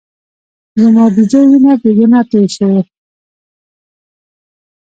زما د زوى وينه بې ګناه تويې شوې.